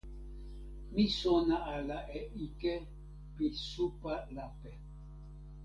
mi sona ala e ike pi supa lape.